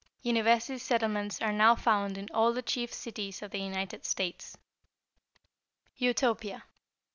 University settlements are now found in all the chief cities of the United States. =Utopia.